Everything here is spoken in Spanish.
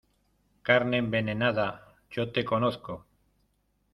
carne envenenada. yo te conozco .